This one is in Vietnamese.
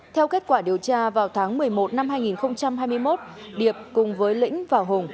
theo kết quả điều tra vào tháng một mươi một năm hai nghìn hai mươi một điệp cùng với lĩnh và hùng